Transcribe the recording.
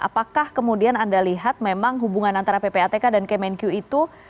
apakah kemudian anda lihat memang hubungan antara ppatk dan kemenq itu